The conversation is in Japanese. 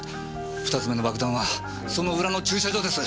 ２つ目の爆弾はその裏の駐車場です。